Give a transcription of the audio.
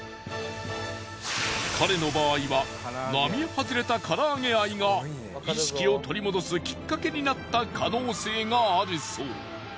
彼の場合は並外れた唐揚げ愛が意識を取り戻すきっかけになった可能性があるそう。